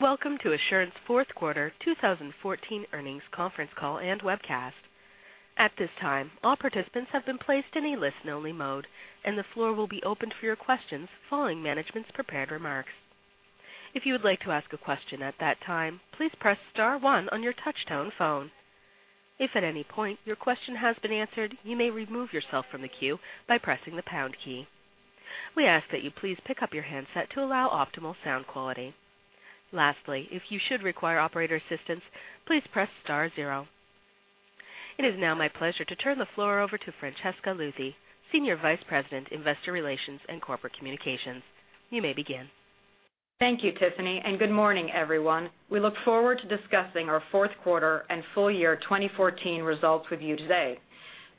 Welcome to Assurant's fourth quarter 2014 earnings conference call and webcast. At this time, all participants have been placed in a listen only mode. The floor will be opened for your questions following management's prepared remarks. If you would like to ask a question at that time, please press star one on your touch-tone phone. If at any point your question has been answered, you may remove yourself from the queue by pressing the pound key. We ask that you please pick up your handset to allow optimal sound quality. Lastly, if you should require operator assistance, please press star zero. It is now my pleasure to turn the floor over to Francesca Luthi, Senior Vice President, Investor Relations and Corporate Communications. You may begin. Thank you, Tiffany. Good morning, everyone. We look forward to discussing our fourth quarter and full year 2014 results with you today.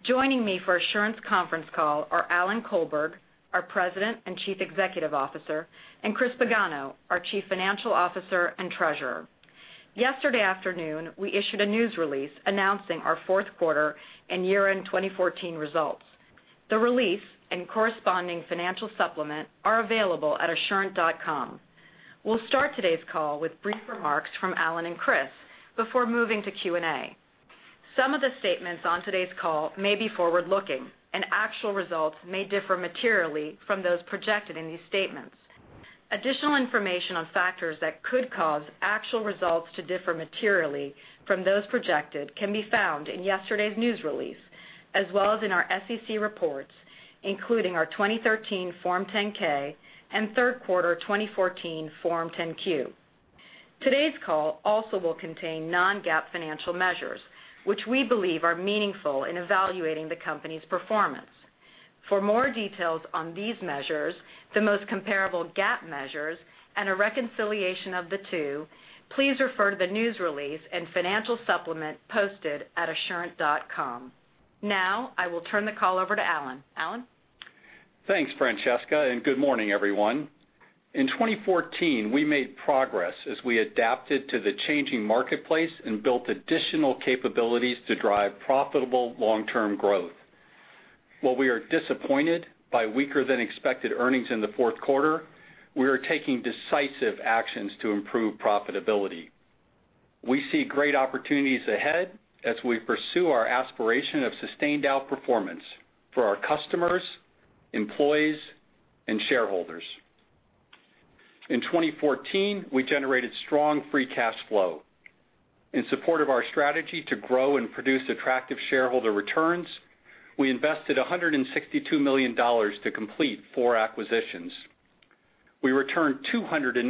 Joining me for Assurant's conference call are Alan Colberg, our President and Chief Executive Officer, Christopher Pagano, our Chief Financial Officer and Treasurer. Yesterday afternoon, we issued a news release announcing our fourth quarter and year-end 2014 results. The release and corresponding financial supplement are available at assurant.com. We'll start today's call with brief remarks from Alan and Chris before moving to Q&A. Some of the statements on today's call may be forward-looking. Actual results may differ materially from those projected in these statements. Additional information on factors that could cause actual results to differ materially from those projected can be found in yesterday's news release, as well as in our SEC reports, including our 2013 Form 10-K and third quarter 2014 Form 10-Q. Today's call also will contain non-GAAP financial measures, which we believe are meaningful in evaluating the company's performance. For more details on these measures, the most comparable GAAP measures, and a reconciliation of the two, please refer to the news release and financial supplement posted at assurant.com. I will turn the call over to Alan. Alan? Thanks, Francesca. Good morning, everyone. In 2014, we made progress as we adapted to the changing marketplace and built additional capabilities to drive profitable long-term growth. While we are disappointed by weaker than expected earnings in the fourth quarter, we are taking decisive actions to improve profitability. We see great opportunities ahead as we pursue our aspiration of sustained outperformance for our customers, employees, and shareholders. In 2014, we generated strong free cash flow. In support of our strategy to grow and produce attractive shareholder returns, we invested $162 million to complete four acquisitions. We returned $296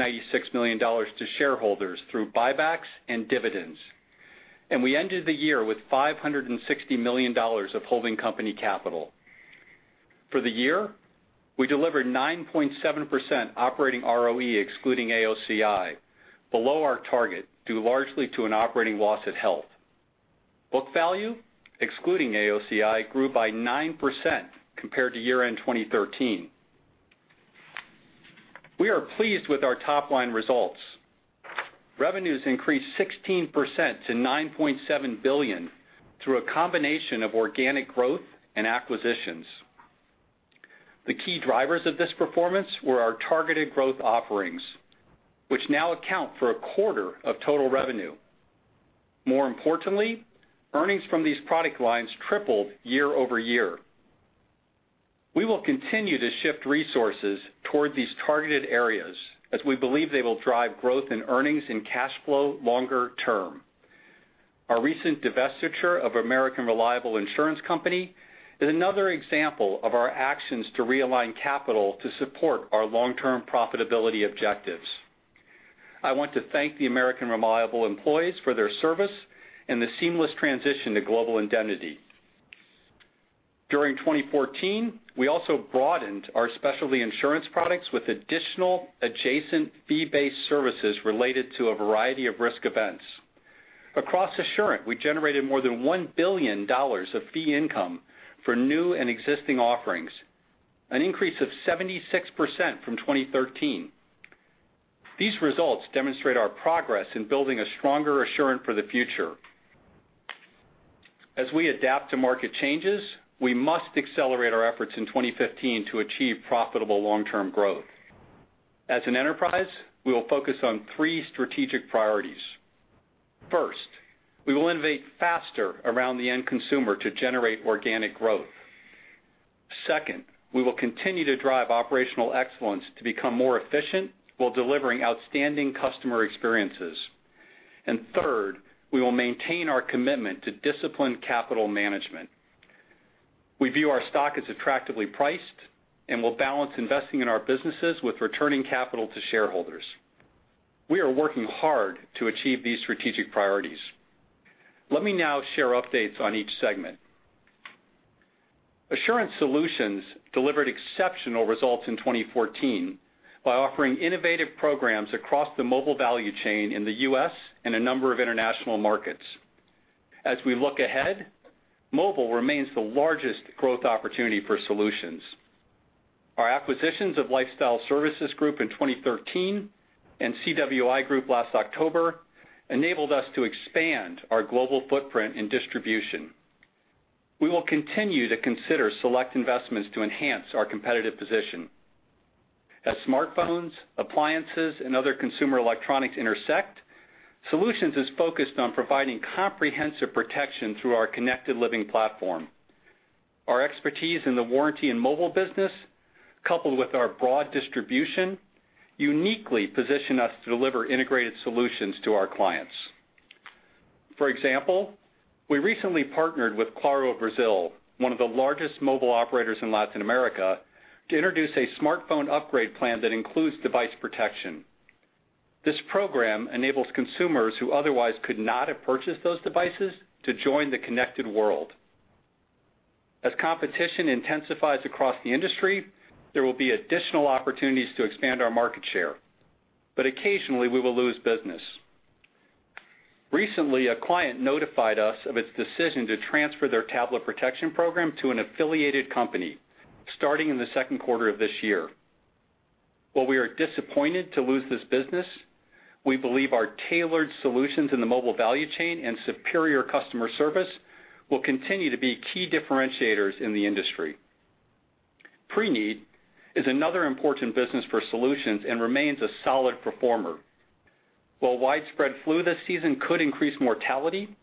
million to shareholders through buybacks and dividends. We ended the year with $560 million of holding company capital. For the year, we delivered 9.7% operating ROE excluding AOCI, below our target, due largely to an operating loss at Health. Book value, excluding AOCI, grew by 9% compared to year-end 2013. We are pleased with our top-line results. Revenues increased 16% to $9.7 billion through a combination of organic growth and acquisitions. The key drivers of this performance were our targeted growth offerings, which now account for a quarter of total revenue. More importantly, earnings from these product lines tripled year-over-year. We will continue to shift resources toward these targeted areas as we believe they will drive growth in earnings and cash flow longer term. Our recent divestiture of American Reliable Insurance Company is another example of our actions to realign capital to support our long-term profitability objectives. I want to thank the American Reliable employees for their service and the seamless transition to Global Indemnity. During 2014, we also broadened our specialty insurance products with additional adjacent fee-based services related to a variety of risk events. Across Assurant, we generated more than $1 billion of fee income for new and existing offerings, an increase of 76% from 2013. These results demonstrate our progress in building a stronger Assurant for the future. As we adapt to market changes, we must accelerate our efforts in 2015 to achieve profitable long-term growth. As an enterprise, we will focus on three strategic priorities. First, we will innovate faster around the end consumer to generate organic growth. Second, we will continue to drive operational excellence to become more efficient while delivering outstanding customer experiences. Third, we will maintain our commitment to disciplined capital management. We view our stock as attractively priced and will balance investing in our businesses with returning capital to shareholders. We are working hard to achieve these strategic priorities. Let me now share updates on each segment. Assurant Solutions delivered exceptional results in 2014 by offering innovative programs across the mobile value chain in the U.S. and a number of international markets. As we look ahead, mobile remains the largest growth opportunity for Solutions. Our acquisitions of Lifestyle Services Group in 2013 and CWI Group last October enabled us to expand our global footprint and distribution. We will continue to consider select investments to enhance our competitive position. As smartphones, appliances, and other consumer electronics intersect, Solutions is focused on providing comprehensive protection through our Connected Living platform. Our expertise in the warranty and mobile business, coupled with our broad distribution, uniquely position us to deliver integrated solutions to our clients. For example, we recently partnered with Claro Brasil, one of the largest mobile operators in Latin America, to introduce a smartphone upgrade plan that includes device protection. This program enables consumers who otherwise could not have purchased those devices to join the connected world. As competition intensifies across the industry, there will be additional opportunities to expand our market share. But occasionally, we will lose business. Recently, a client notified us of its decision to transfer their tablet protection program to an affiliated company starting in the second quarter of this year. While we are disappointed to lose this business, we believe our tailored solutions in the mobile value chain and superior customer service will continue to be key differentiators in the industry. Preneed is another important business for Solutions and remains a solid performer. While widespread flu this season could increase mortality,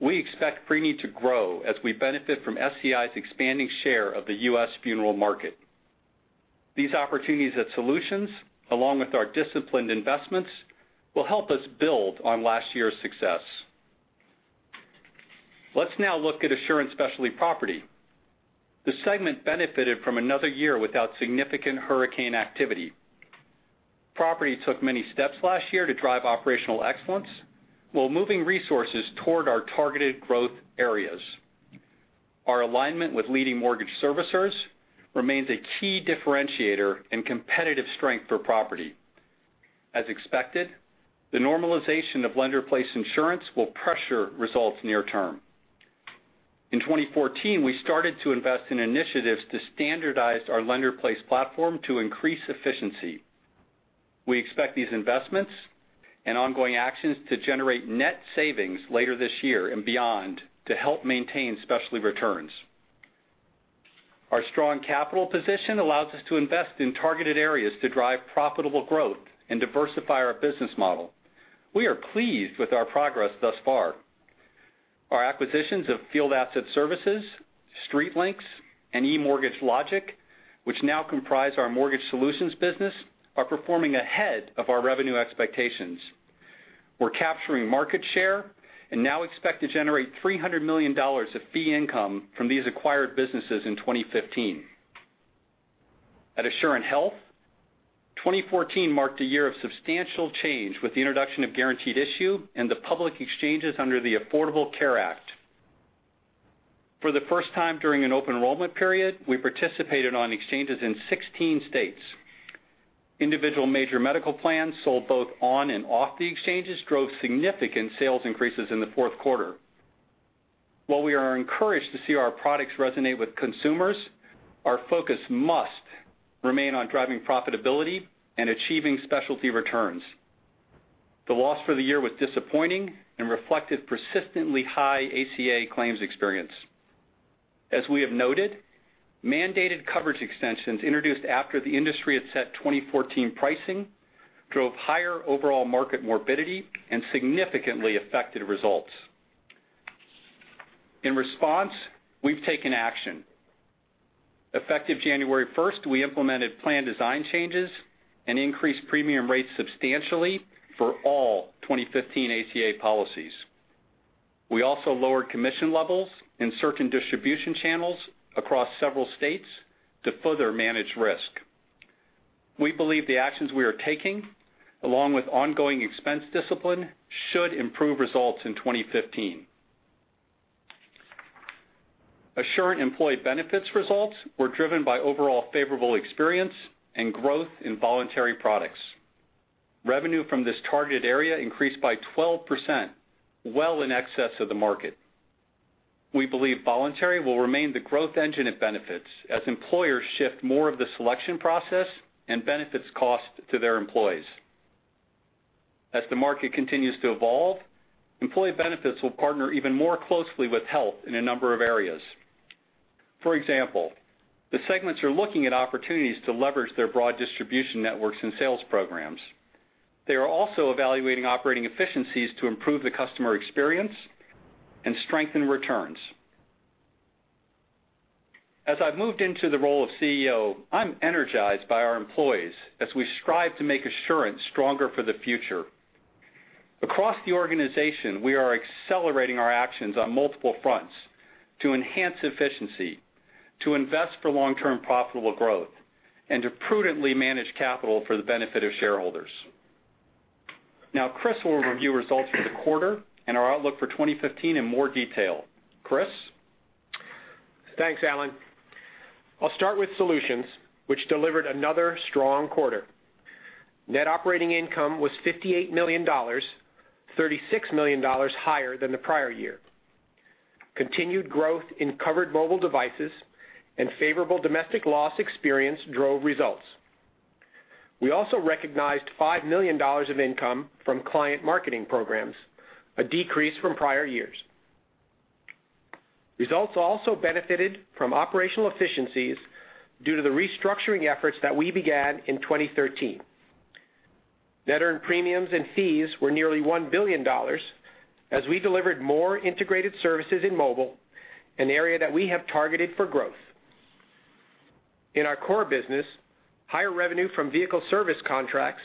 we expect Preneed to grow as we benefit from SCI's expanding share of the U.S. funeral market. These opportunities at Solutions, along with our disciplined investments, will help us build on last year's success. Let's now look at Assurant Specialty Property. The segment benefited from another year without significant hurricane activity. Property took many steps last year to drive operational excellence while moving resources toward our targeted growth areas. Our alignment with leading mortgage servicers remains a key differentiator and competitive strength for Property. As expected, the normalization of lender-placed insurance will pressure results near term. In 2014, we started to invest in initiatives to standardize our lender place platform to increase efficiency. We expect these investments and ongoing actions to generate net savings later this year and beyond to help maintain specialty returns. Our strong capital position allows us to invest in targeted areas to drive profitable growth and diversify our business model. We are pleased with our progress thus far. Our acquisitions of Field Asset Services, StreetLinks, and eMortgage Logic, which now comprise our Mortgage Solutions business, are performing ahead of our revenue expectations. We're capturing market share and now expect to generate $300 million of fee income from these acquired businesses in 2015. At Assurant Health, 2014 marked a year of substantial change with the introduction of guaranteed issue and the public exchanges under the Affordable Care Act. For the first time during an open enrollment period, we participated on exchanges in 16 states. Individual major medical plans sold both on and off the exchanges drove significant sales increases in the fourth quarter. While we are encouraged to see our products resonate with consumers, our focus must remain on driving profitability and achieving specialty returns. The loss for the year was disappointing and reflected persistently high ACA claims experience. As we have noted, mandated coverage extensions introduced after the industry had set 2014 pricing drove higher overall market morbidity and significantly affected results. In response, we've taken action. Effective January first, we implemented plan design changes and increased premium rates substantially for all 2015 ACA policies. We also lowered commission levels in certain distribution channels across several states to further manage risk. We believe the actions we are taking, along with ongoing expense discipline, should improve results in 2015. Assurant Employee Benefits results were driven by overall favorable experience and growth in voluntary products. Revenue from this targeted area increased by 12%, well in excess of the market. We believe voluntary will remain the growth engine of benefits as employers shift more of the selection process and benefits cost to their employees. As the market continues to evolve, Employee Benefits will partner even more closely with Health in a number of areas. For example, the segments are looking at opportunities to leverage their broad distribution networks and sales programs. They are also evaluating operating efficiencies to improve the customer experience and strengthen returns. As I've moved into the role of CEO, I'm energized by our employees as we strive to make Assurant stronger for the future. Across the organization, we are accelerating our actions on multiple fronts to enhance efficiency, to invest for long-term profitable growth, and to prudently manage capital for the benefit of shareholders. Now, Chris will review results for the quarter and our outlook for 2015 in more detail. Chris? Thanks, Alan. I'll start with Solutions, which delivered another strong quarter. Net operating income was $58 million, $36 million higher than the prior year. Continued growth in covered mobile devices and favorable domestic loss experience drove results. We also recognized $5 million of income from client marketing programs, a decrease from prior years. Results also benefited from operational efficiencies due to the restructuring efforts that we began in 2013. Net earned premiums and fees were nearly $1 billion as we delivered more integrated services in mobile, an area that we have targeted for growth. In our core business, higher revenue from vehicle service contracts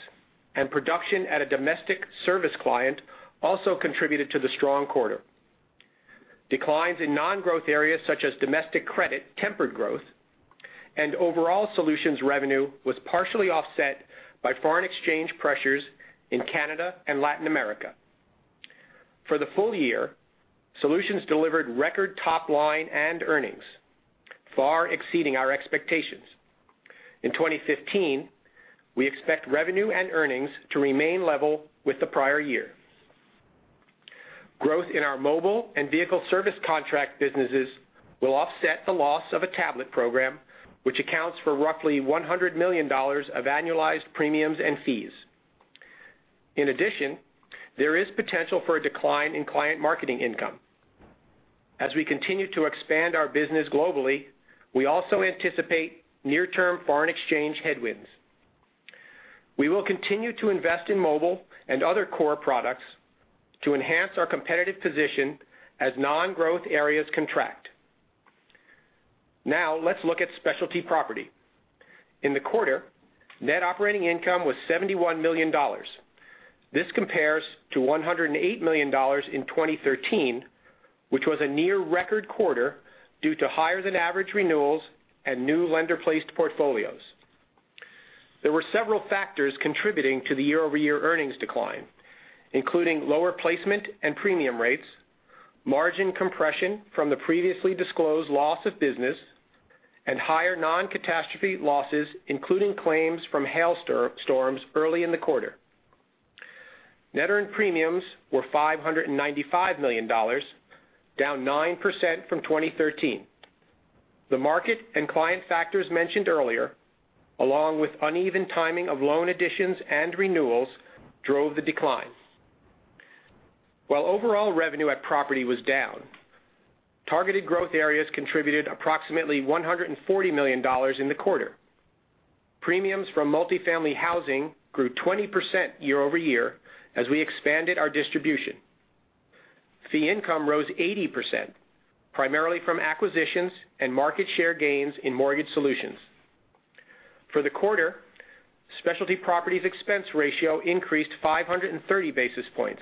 and production at a domestic service client also contributed to the strong quarter. Declines in non-growth areas such as domestic credit tempered growth and overall Solutions revenue was partially offset by foreign exchange pressures in Canada and Latin America. For the full year, Solutions delivered record top line and earnings, far exceeding our expectations. In 2015, we expect revenue and earnings to remain level with the prior year. Growth in our mobile and vehicle service contract businesses will offset the loss of a tablet program, which accounts for roughly $100 million of annualized premiums and fees. In addition, there is potential for a decline in client marketing income. As we continue to expand our business globally, we also anticipate near-term foreign exchange headwinds. We will continue to invest in mobile and other core products to enhance our competitive position as non-growth areas contract. Now, let's look at Specialty Property. In the quarter, net operating income was $71 million. This compares to $108 million in 2013, which was a near record quarter due to higher than average renewals and new lender-placed portfolios. There were several factors contributing to the year-over-year earnings decline, including lower placement and premium rates, margin compression from the previously disclosed loss of business, and higher non-catastrophe losses, including claims from hail storms early in the quarter. Net earned premiums were $595 million, down 9% from 2013. The market and client factors mentioned earlier, along with uneven timing of loan additions and renewals, drove the decline. While overall revenue at property was down, targeted growth areas contributed approximately $140 million in the quarter. Premiums from multi-family housing grew 20% year-over-year as we expanded our distribution. Fee income rose 80%, primarily from acquisitions and market share gains in Mortgage Solutions. For the quarter, Specialty Property's expense ratio increased 530 basis points,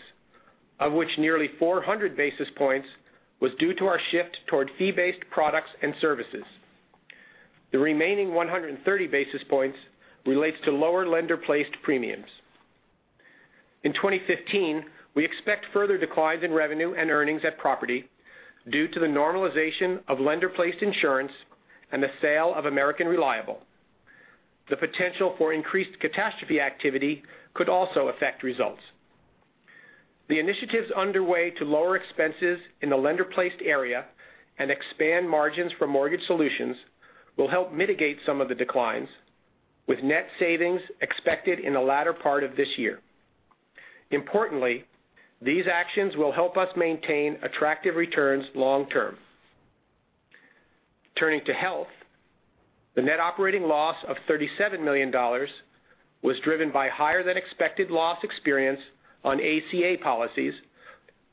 of which nearly 400 basis points was due to our shift toward fee-based products and services. The remaining 130 basis points relates to lower lender-placed premiums. In 2015, we expect further declines in revenue and earnings at property due to the normalization of lender-placed insurance and the sale of American Reliable. The potential for increased catastrophe activity could also affect results. The initiatives underway to lower expenses in the lender-placed area and expand margins for Mortgage Solutions will help mitigate some of the declines, with net savings expected in the latter part of this year. Importantly, these actions will help us maintain attractive returns long term. Turning to health, the net operating loss of $37 million was driven by higher than expected loss experience on ACA policies,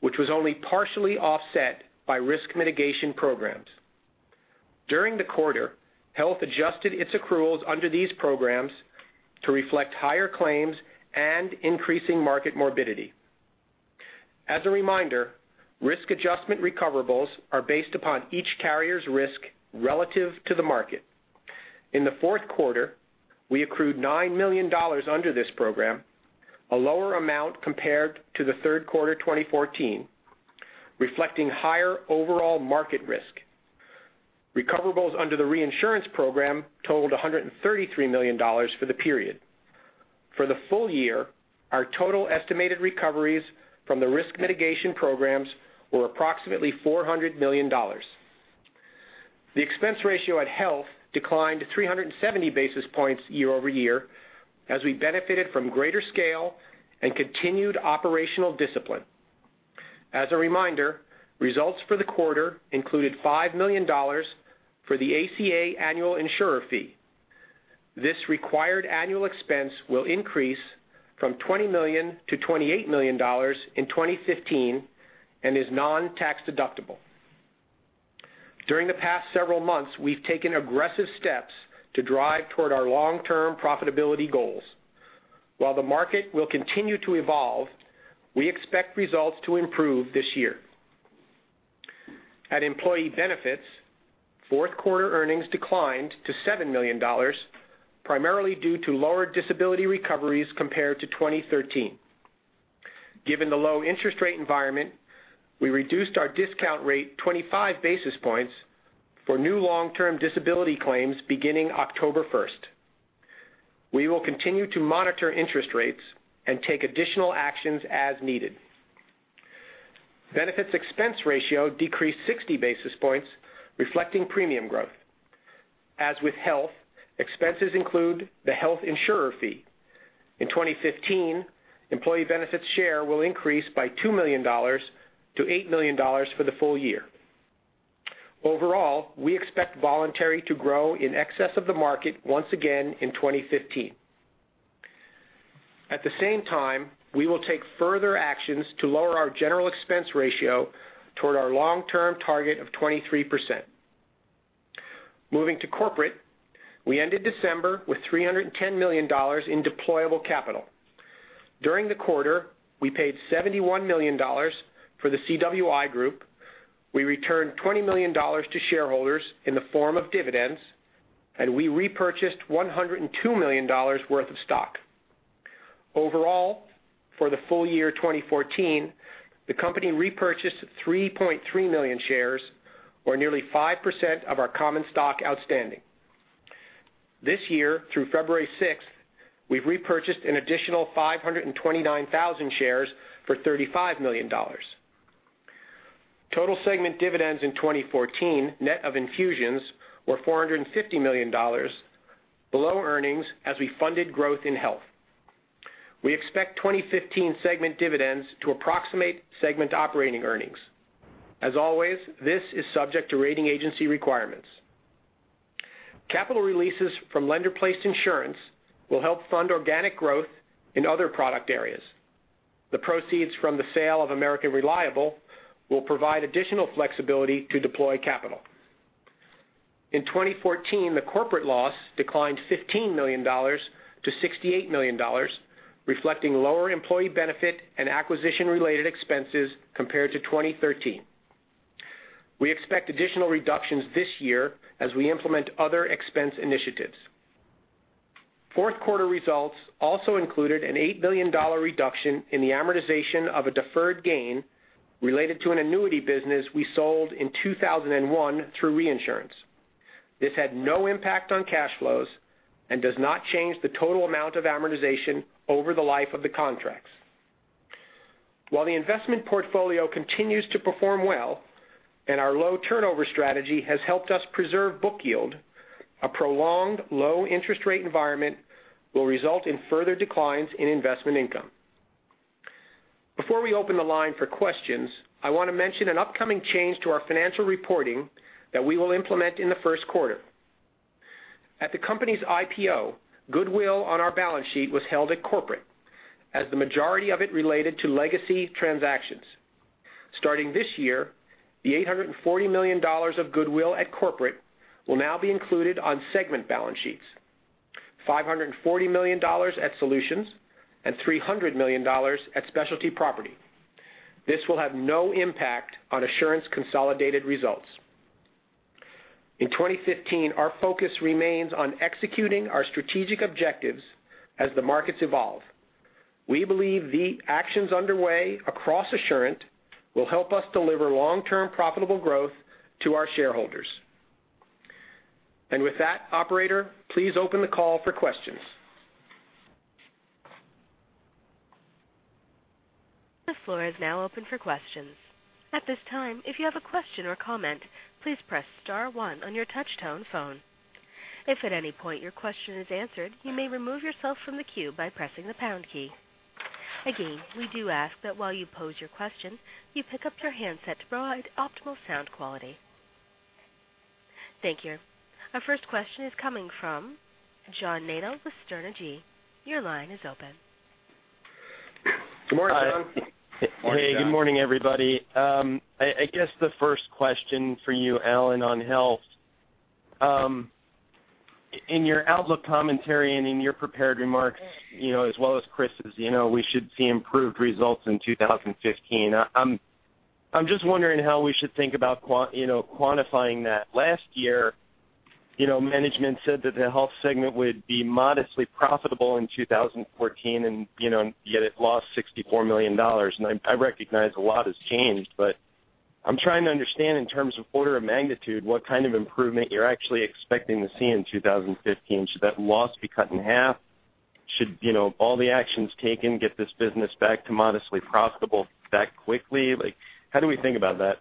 which was only partially offset by risk mitigation programs. During the quarter, health adjusted its accruals under these programs to reflect higher claims and increasing market morbidity. As a reminder, risk adjustment recoverables are based upon each carrier's risk relative to the market. In the fourth quarter, we accrued $9 million under this program, a lower amount compared to the third quarter 2014, reflecting higher overall market risk. Recoverables under the reinsurance program totaled $133 million for the period. For the full year, our total estimated recoveries from the risk mitigation programs were approximately $400 million. The expense ratio at Assurant Health declined 370 basis points year-over-year, as we benefited from greater scale and continued operational discipline. As a reminder, results for the quarter included $5 million for the ACA annual insurer fee. This required annual expense will increase from $20 million to $28 million in 2015 and is non-tax deductible. During the past several months, we've taken aggressive steps to drive toward our long-term profitability goals. While the market will continue to evolve, we expect results to improve this year. At Assurant Employee Benefits, fourth quarter earnings declined to $7 million, primarily due to lower disability recoveries compared to 2013. Given the low interest rate environment, we reduced our discount rate 25 basis points for new long-term disability claims beginning October 1st. We will continue to monitor interest rates and take additional actions as needed. Benefits expense ratio decreased 60 basis points, reflecting premium growth. As with Assurant Health, expenses include the health insurer fee. In 2015, Assurant Employee Benefits share will increase by $2 million to $8 million for the full year. Overall, we expect voluntary to grow in excess of the market once again in 2015. At the same time, we will take further actions to lower our general expense ratio toward our long-term target of 23%. Moving to corporate, we ended December with $310 million in deployable capital. During the quarter, we paid $71 million for the CWI Group, we returned $20 million to shareholders in the form of dividends, and we repurchased $102 million worth of stock. Overall, for the full year 2014, the company repurchased 3.3 million shares, or nearly 5% of our common stock outstanding. This year, through February 6th, we've repurchased an additional 529,000 shares for $35 million. Total segment dividends in 2014, net of infusions, were $450 million, below earnings, as we funded growth in Assurant Health. We expect 2015 segment dividends to approximate segment operating earnings. As always, this is subject to rating agency requirements. Capital releases from lender-placed insurance will help fund organic growth in other product areas. The proceeds from the sale of American Reliable will provide additional flexibility to deploy capital. In 2014, the corporate loss declined $15 million to $68 million, reflecting lower Assurant Employee Benefits and acquisition related expenses compared to 2013. We expect additional reductions this year as we implement other expense initiatives. Fourth quarter results also included an $8 million reduction in the amortization of a deferred gain related to an annuity business we sold in 2001 through reinsurance. This had no impact on cash flows and does not change the total amount of amortization over the life of the contracts. While the investment portfolio continues to perform well and our low turnover strategy has helped us preserve book yield, a prolonged low interest rate environment will result in further declines in investment income. Before we open the line for questions, I want to mention an upcoming change to our financial reporting that we will implement in the first quarter. At the company's IPO, goodwill on our balance sheet was held at corporate, as the majority of it related to legacy transactions. Starting this year, the $840 million of goodwill at corporate will now be included on segment balance sheets, $540 million at Assurant Solutions and $300 million at Assurant Specialty Property. This will have no impact on Assurant's consolidated results. In 2015, our focus remains on executing our strategic objectives as the markets evolve. We believe the actions underway across Assurant will help us deliver long-term profitable growth to our shareholders. With that, operator, please open the call for questions. The floor is now open for questions. At this time, if you have a question or comment, please press star one on your touch-tone phone. If at any point your question is answered, you may remove yourself from the queue by pressing the pound key. Again, we do ask that while you pose your question, you pick up your handset to provide optimal sound quality. Thank you. Our first question is coming from John Nadel with Sterne Agee. Your line is open. Good morning, John. Hey, good morning, everybody. I guess the first question for you, Alan, on Health. In your outlook commentary and in your prepared remarks, as well as Chris's, we should see improved results in 2015. I'm just wondering how we should think about quantifying that. Last year, management said that the Health segment would be modestly profitable in 2014, yet it lost $64 million. I recognize a lot has changed, but I'm trying to understand, in terms of order of magnitude, what kind of improvement you're actually expecting to see in 2015. Should that loss be cut in half? Should all the actions taken get this business back to modestly profitable that quickly? How do we think about that?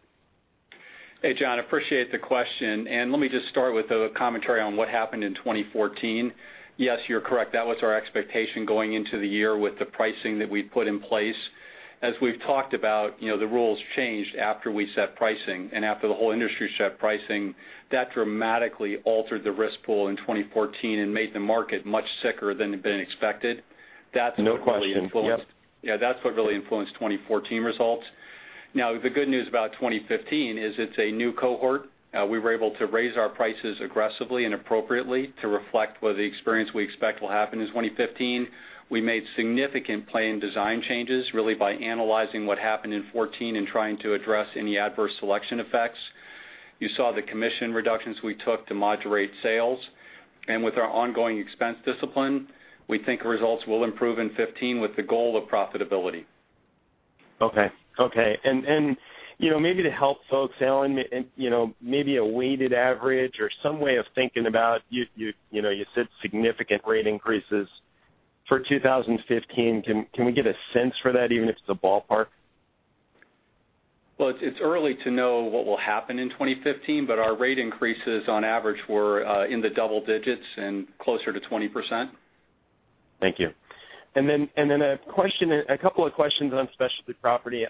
Hey, John, appreciate the question. Let me just start with a commentary on what happened in 2014. Yes, you're correct. That was our expectation going into the year with the pricing that we'd put in place. As we've talked about, the rules changed after we set pricing and after the whole industry set pricing. That dramatically altered the risk pool in 2014 and made the market much sicker than had been expected. No question. Yep. Yeah, that's what really influenced 2014 results. Now, the good news about 2015 is it's a new cohort. We were able to raise our prices aggressively and appropriately to reflect what the experience we expect will happen in 2015. We made significant plan design changes, really by analyzing what happened in 2014 and trying to address any adverse selection effects. You saw the commission reductions we took to moderate sales. With our ongoing expense discipline, we think results will improve in 2015 with the goal of profitability. Okay. Maybe to help folks, Alan, maybe a weighted average or some way of thinking about, you said significant rate increases for 2015, can we get a sense for that, even if it's a ballpark? Well, it's early to know what will happen in 2015, but our rate increases on average were in the double digits and closer to 20%. Thank you. Then a couple of questions on Specialty Property.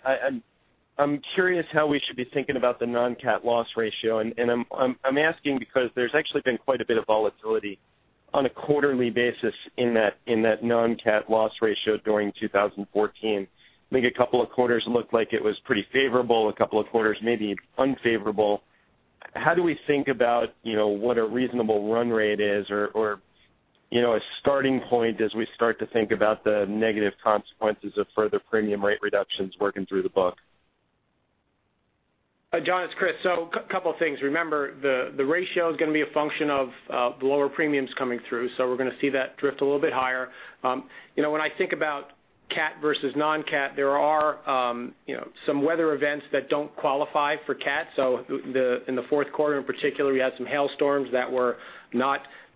I'm curious how we should be thinking about the non-CAT loss ratio, and I'm asking because there's actually been quite a bit of volatility on a quarterly basis in that non-CAT loss ratio during 2014. I think a couple of quarters looked like it was pretty favorable, a couple of quarters maybe unfavorable. How do we think about what a reasonable run rate is or a starting point as we start to think about the negative consequences of further premium rate reductions working through the book? John, it's Chris. A couple of things. Remember, the ratio is going to be a function of the lower premiums coming through, so we're going to see that drift a little bit higher. When I think about CAT versus non-CAT, there are some weather events that don't qualify for CAT. In the fourth quarter in particular, we had some hailstorms that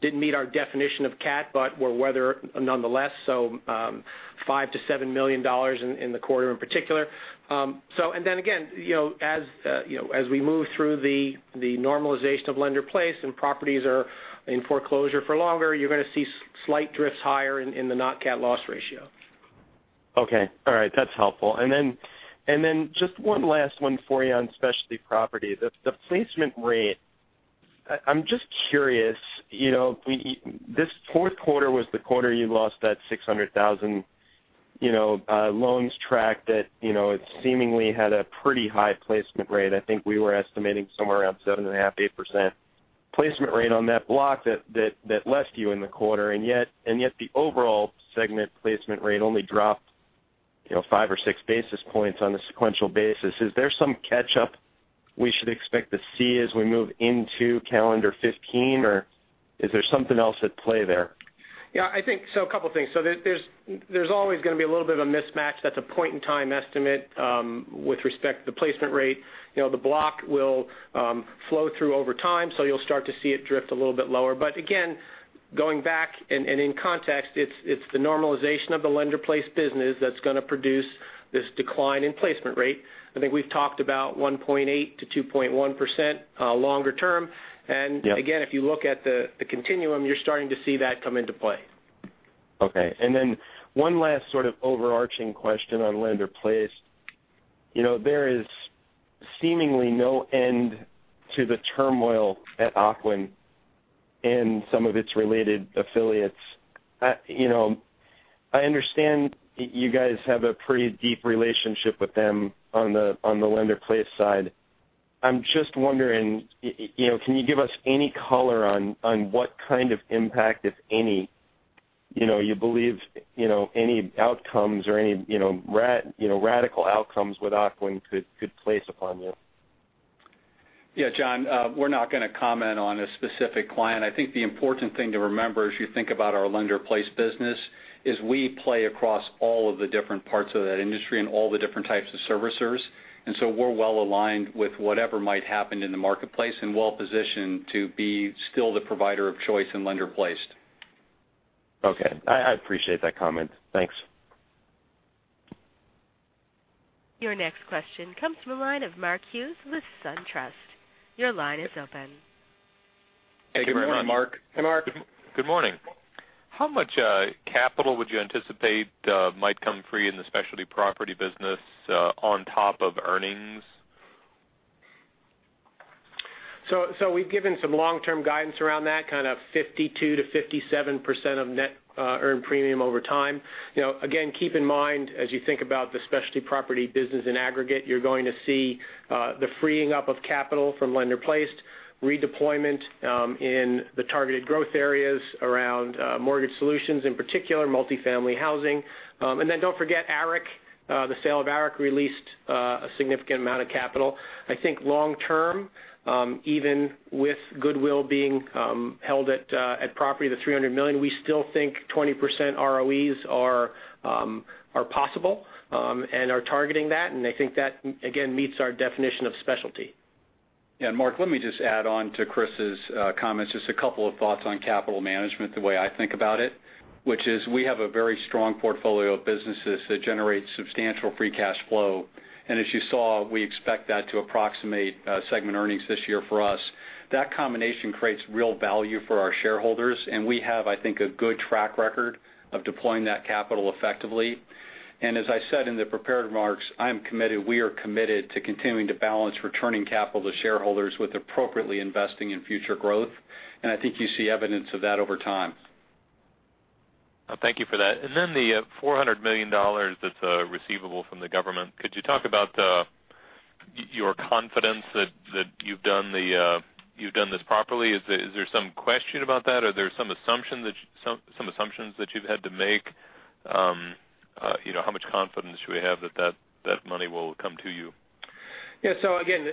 didn't meet our definition of CAT but were weather nonetheless. $5 million-$7 million in the quarter in particular. Then again, as we move through the normalization of lender-placed and properties are in foreclosure for longer, you're going to see slight drifts higher in the non-CAT loss ratio. Okay. All right. That's helpful. Then just one last one for you on Specialty Property. The placement rate. I'm just curious, this fourth quarter was the quarter you lost that 600,000 loans track that seemingly had a pretty high placement rate. I think we were estimating somewhere around 7.5%, 8% placement rate on that block that left you in the quarter. And yet the overall segment placement rate only dropped five or six basis points on a sequential basis. Is there some catch-up we should expect to see as we move into calendar 2015, or is there something else at play there? Yeah, I think so. A couple things. There's always going to be a little bit of a mismatch. That's a point-in-time estimate with respect to the placement rate. The block will flow through over time, so you'll start to see it drift a little bit lower. Again, going back and in context, it's the normalization of the lender-placed business that's going to produce this decline in placement rate. I think we've talked about 1.8%-2.1% longer term. Yep. Again, if you look at the continuum, you're starting to see that come into play. Okay. Then one last sort of overarching question on lender-placed. There is seemingly no end to the turmoil at Ocwen and some of its related affiliates. I understand you guys have a pretty deep relationship with them on the lender-placed side. I'm just wondering, can you give us any color on what kind of impact, if any, you believe any outcomes or any radical outcomes with Ocwen could place upon you? Yeah, John, we're not going to comment on a specific client. I think the important thing to remember as you think about our lender-placed business is we play across all of the different parts of that industry and all the different types of servicers. We're well-aligned with whatever might happen in the marketplace and well-positioned to be still the provider of choice in lender-placed. Okay. I appreciate that comment. Thanks. Your next question comes from the line of Mark Hughes with SunTrust. Your line is open. Thank you very much. Hey, good morning, Mark. Hey, Mark. Good morning. How much capital would you anticipate might come free in the Specialty Property business on top of earnings? We've given some long-term guidance around that, kind of 52%-57% of net earned premium over time. Again, keep in mind, as you think about the Specialty Property business in aggregate, you're going to see the freeing up of capital from lender-placed, redeployment in the targeted growth areas around Mortgage Solutions, in particular multi-family housing. Then don't forget ARIC. The sale of ARIC released a significant amount of capital. I think long term, even with goodwill being held at property, the $300 million, we still think 20% ROEs are possible and are targeting that. I think that, again, meets our definition of specialty. Mark, let me just add on to Chris's comments, just a couple of thoughts on capital management, the way I think about it, which is we have a very strong portfolio of businesses that generate substantial free cash flow. As you saw, we expect that to approximate segment earnings this year for us. That combination creates real value for our shareholders, we have, I think, a good track record of deploying that capital effectively. As I said in the prepared remarks, I'm committed, we are committed to continuing to balance returning capital to shareholders with appropriately investing in future growth. I think you see evidence of that over time. Thank you for that. The $400 million that's receivable from the government, could you talk about your confidence that you've done this properly? Is there some question about that, or are there some assumptions that you've had to make? How much confidence should we have that money will come to you? Yeah. Again,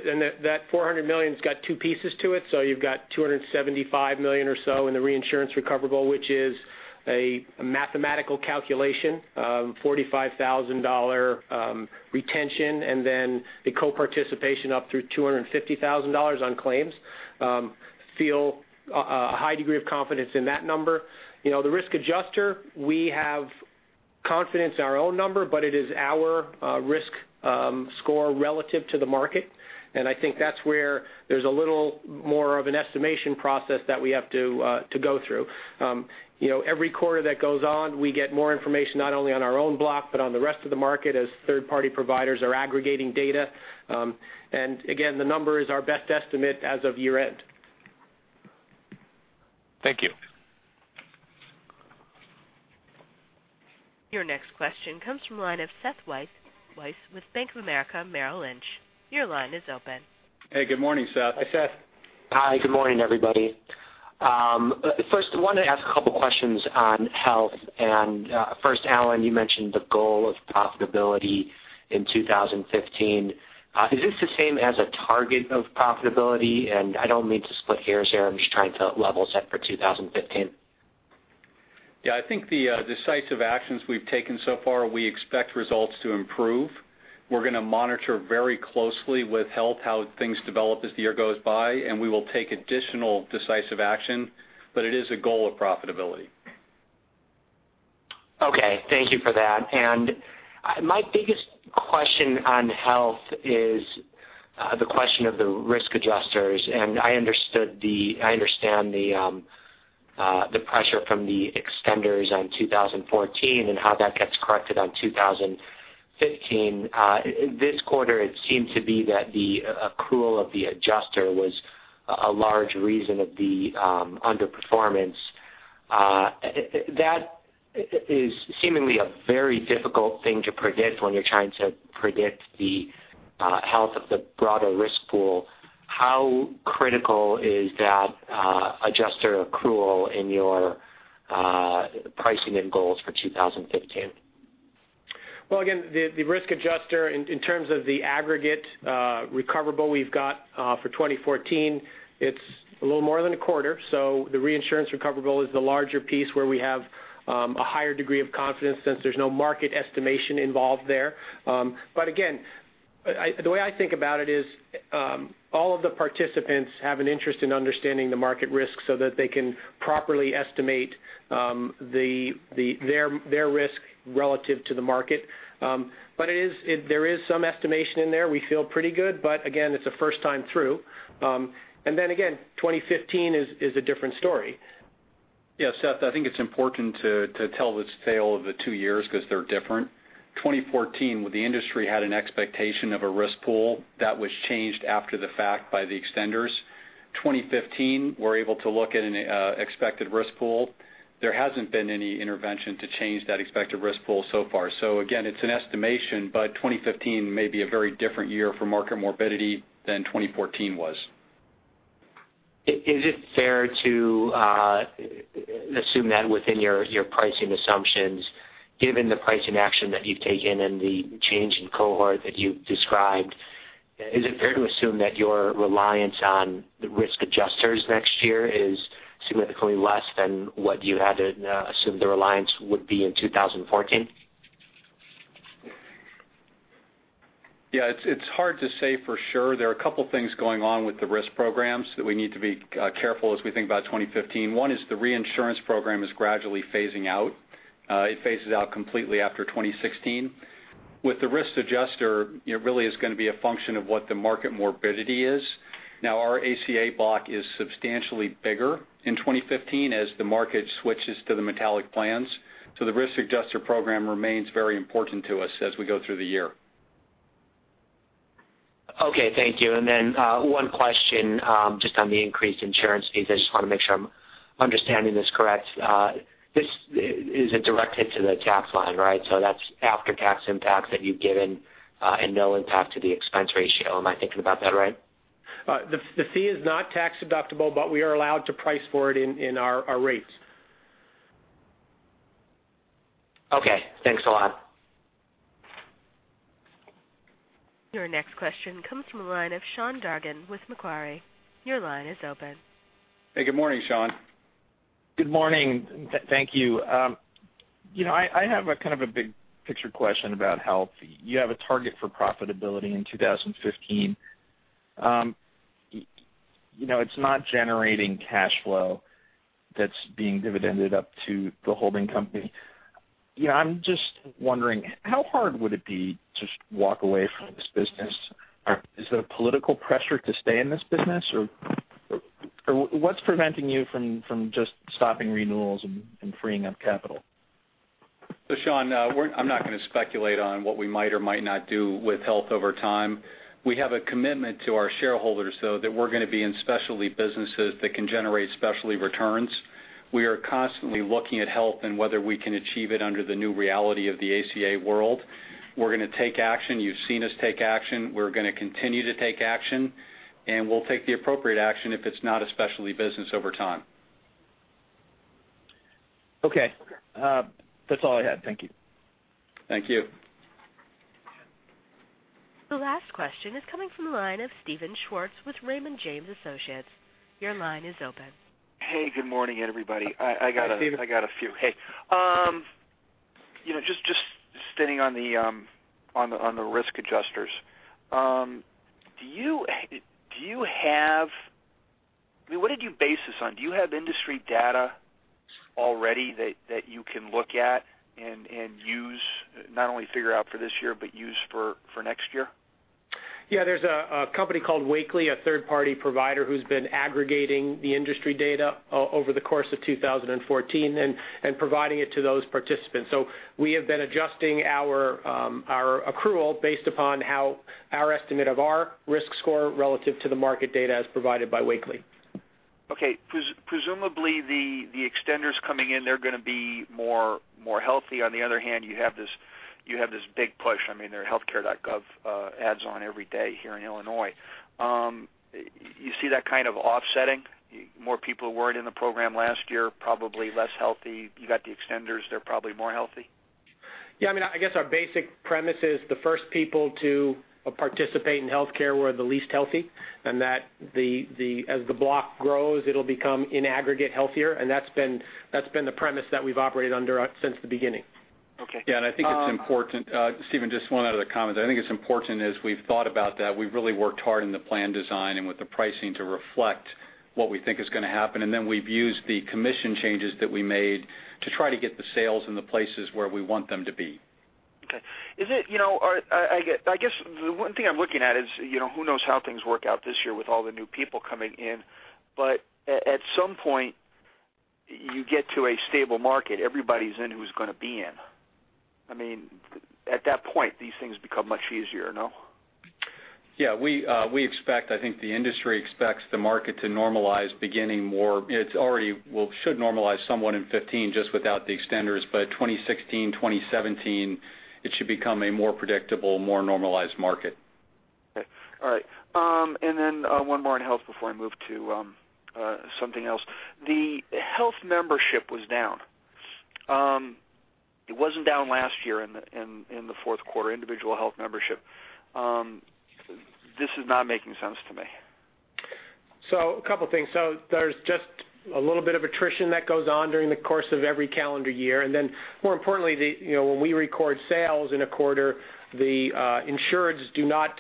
that $400 million has got two pieces to it. You've got $275 million or so in the reinsurance recoverable, which is a mathematical calculation, a $45,000 retention, and then the co-participation up through $250,000 on claims. We feel a high degree of confidence in that number. The risk adjuster, we have confidence in our own number, but it is our risk score relative to the market. I think that's where there's a little more of an estimation process that we have to go through. Every quarter that goes on, we get more information, not only on our own block, but on the rest of the market as third-party providers are aggregating data. Again, the number is our best estimate as of year-end. Thank you. Your next question comes from the line of Seth Weiss with Bank of America Merrill Lynch. Your line is open. Hey, good morning, Seth. Hey, Seth. Hi. Good morning, everybody. I want to ask a couple questions on Health, and first, Alan, you mentioned the goal of profitability in 2015. Is this the same as a target of profitability? I don't mean to split hairs here, I'm just trying to level set for 2015. Yeah, I think the decisive actions we've taken so far, we expect results to improve. We're going to monitor very closely with Health, how things develop as the year goes by, and we will take additional decisive action, but it is a goal of profitability. Okay. Thank you for that. My biggest question on Health is the question of the risk adjusters, and I understand the pressure from the extenders on 2014 and how that gets corrected on 2015. This quarter, it seemed to be that the accrual of the adjuster was a large reason of the underperformance. That is seemingly a very difficult thing to predict when you're trying to predict the health of the broader risk pool. How critical is that adjuster accrual in your pricing and goals for 2015? Again, the risk adjuster in terms of the aggregate recoverable we've got for 2014, it's a little more than a quarter. The reinsurance recoverable is the larger piece where we have a higher degree of confidence since there's no market estimation involved there. Again, the way I think about it is all of the participants have an interest in understanding the market risk so that they can properly estimate their risk relative to the market. There is some estimation in there. We feel pretty good, again, it's a first time through. Again, 2015 is a different story. Seth, I think it's important to tell this tale of the two years because they're different. 2014, the industry had an expectation of a risk pool that was changed after the fact by the extenders. 2015, we're able to look at an expected risk pool. There hasn't been any intervention to change that expected risk pool so far. Again, it's an estimation, 2015 may be a very different year for market morbidity than 2014 was. Is it fair to assume then within your pricing assumptions, given the pricing action that you've taken and the change in cohort that you've described, is it fair to assume that your reliance on the risk adjusters next year is significantly less than what you had assumed the reliance would be in 2014? Yeah, it's hard to say for sure. There are a couple things going on with the risk programs that we need to be careful as we think about 2015. One is the reinsurance program is gradually phasing out. It phases out completely after 2016. With the risk adjuster, it really is going to be a function of what the market morbidity is. Now our ACA block is substantially bigger in 2015 as the market switches to the metallic plans. The risk adjuster program remains very important to us as we go through the year. Okay, thank you. Then, one question just on the increased insurance fees. I just want to make sure I'm understanding this correct. This is a direct hit to the tax line, right? That's after-tax impact that you've given and no impact to the expense ratio. Am I thinking about that right? The fee is not tax-deductible, we are allowed to price for it in our rates. Okay, thanks a lot. Your next question comes from the line of Sean Dargan with Macquarie. Your line is open. Hey, good morning, Sean. Good morning. Thank you. I have a kind of a big-picture question about Assurant Health. You have a target for profitability in 2015. It's not generating cash flow that's being dividended up to the holding company. I'm just wondering, how hard would it be to walk away from this business? Is there political pressure to stay in this business, or what's preventing you from just stopping renewals and freeing up capital? Sean, I'm not going to speculate on what we might or might not do with Assurant Health over time. We have a commitment to our shareholders, though, that we're going to be in specialty businesses that can generate specialty returns. We are constantly looking at Assurant Health and whether we can achieve it under the new reality of the ACA world. We're going to take action. You've seen us take action. We're going to continue to take action, and we'll take the appropriate action if it's not a specialty business over time. Okay. That's all I had. Thank you. Thank you. The last question is coming from the line of Steven Schwartz with Raymond James & Associates. Your line is open. Hey, good morning, everybody. Hi, Steven. I got a few. Hey. Just staying on the risk adjusters. Do you have What did you base this on? Do you have industry data already that you can look at and use, not only figure out for this year, but use for next year? Yeah. There's a company called Wakely, a third-party provider who's been aggregating the industry data over the course of 2014 and providing it to those participants. We have been adjusting our accrual based upon how our estimate of our risk score relative to the market data as provided by Wakely. Okay. Presumably, the extenders coming in, they're going to be more healthy. On the other hand, you have this big push. There are healthcare.gov ads on every day here in Illinois. You see that kind of offsetting? More people weren't in the program last year, probably less healthy. You got the extenders, they're probably more healthy? Yeah. I guess our basic premise is the first people to participate in healthcare were the least healthy, and that as the block grows, it'll become, in aggregate, healthier, and that's been the premise that we've operated under since the beginning. Okay. Yeah, I think it's important. Steven, just one other comment. I think it's important as we've thought about that, we've really worked hard in the plan design and with the pricing to reflect what we think is going to happen, we've used the commission changes that we made to try to get the sales in the places where we want them to be. Okay. I guess the one thing I'm looking at is, who knows how things work out this year with all the new people coming in. At some point, you get to a stable market. Everybody's in who's going to be in. At that point, these things become much easier, no? Yeah. We expect, I think the industry expects the market to normalize beginning. It already should normalize somewhat in 2015, just without the extenders, 2016, 2017, it should become a more predictable, more normalized market. Okay. All right. One more on health before I move to something else. The health membership was down. It wasn't down last year in the fourth quarter, individual health membership. This is not making sense to me. A couple things. There's just a little bit of attrition that goes on during the course of every calendar year. More importantly, when we record sales in a quarter, the insureds do not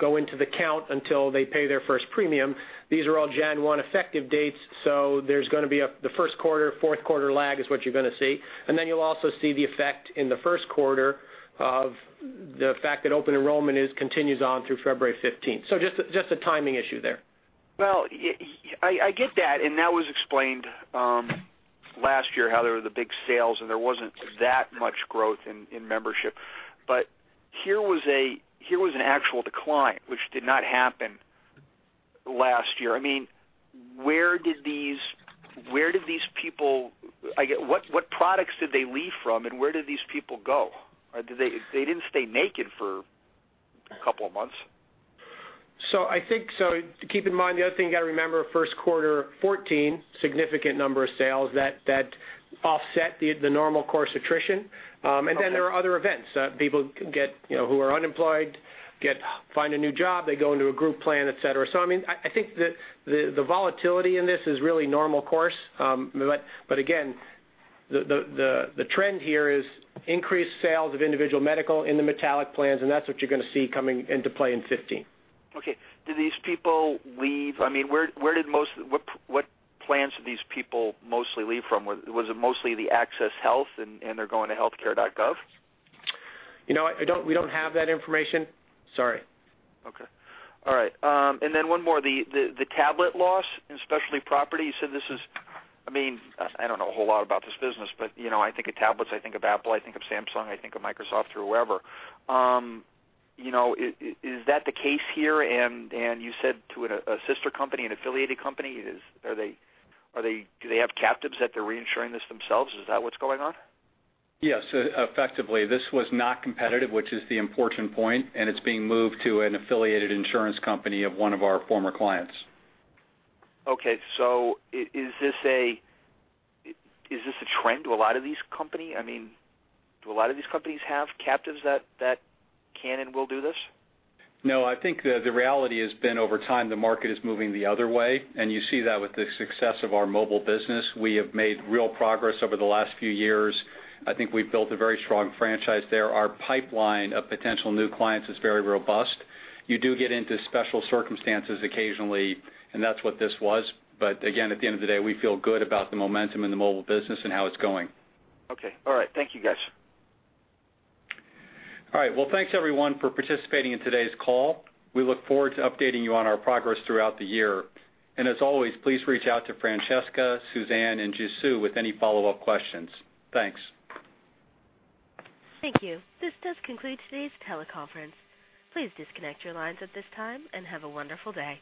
go into the count until they pay their first premium. These are all Jan 1 effective dates, there's going to be the first quarter, fourth quarter lag is what you're going to see. You'll also see the effect in the first quarter of the fact that open enrollment continues on through February 15th. Just a timing issue there. I get that, and that was explained last year how there were the big sales and there wasn't that much growth in membership. Here was an actual decline, which did not happen last year. What products did they leave from, and where did these people go? They didn't stay naked for 2 months. Keep in mind, the other thing you got to remember, first quarter 2014, significant number of sales that offset the normal course attrition. Okay. There are other events. People who are unemployed find a new job, they go into a group plan, et cetera. I think the volatility in this is really normal course. Again, the trend here is increased sales of individual medical in the Metallic plans, and that's what you're going to see coming into play in 2015. Okay. Do these people leave? What plans did these people mostly leave from? Was it mostly the Assurant Health and they're going to healthcare.gov? You know what? We don't have that information. Sorry. Okay. All right. One more. The tablet loss in Specialty Property. You said this is, I don't know a whole lot about this business, but I think of tablets, I think of Apple, I think of Samsung, I think of Microsoft or whoever. Is that the case here? You said to a sister company, an affiliated company. Do they have captives that they're reinsuring this themselves? Is that what's going on? Yes. Effectively, this was not competitive, which is the important point. It's being moved to an affiliated insurance company of one of our former clients. Okay. Is this a trend? Do a lot of these companies have captives that can and will do this? No, I think the reality has been over time, the market is moving the other way. You see that with the success of our mobile business. We have made real progress over the last few years. I think we've built a very strong franchise there. Our pipeline of potential new clients is very robust. You do get into special circumstances occasionally, and that's what this was. Again, at the end of the day, we feel good about the momentum in the mobile business and how it's going. Okay. All right. Thank you, guys. All right. Well, thanks everyone for participating in today's call. We look forward to updating you on our progress throughout the year. As always, please reach out to Francesca, Suzanne, and Ji Soo with any follow-up questions. Thanks. Thank you. This does conclude today's teleconference. Please disconnect your lines at this time and have a wonderful day.